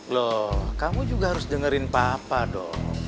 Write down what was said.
loh kamu juga harus dengerin papa dong